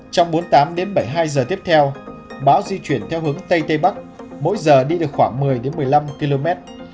trong bốn mươi tám đến bảy mươi hai giờ tiếp theo bão di chuyển theo hướng tây tây bắc mỗi giờ đi được khoảng một mươi một mươi năm km